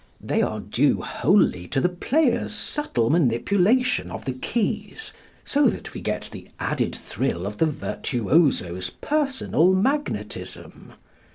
They are due wholly to the player's subtle manipulation of the keys, so that we get the added thrill of the virtuoso's personal magnetism.